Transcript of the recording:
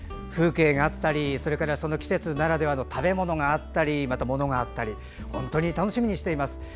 風景があったり、それから季節ならではの食べ物があったりまた、ものがあったり本当に楽しみにしています。